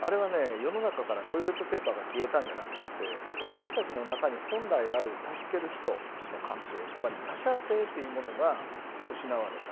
世の中からトイレットペーパーが消えたんじゃなくって私たちの中に本来ある助ける人の関係つまり「他者性」というものが失われた。